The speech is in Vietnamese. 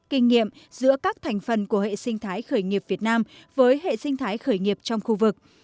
kinh nghiệm giữa các thành phần của hệ sinh thái khởi nghiệp việt nam với hệ sinh thái khởi nghiệp trong khu vực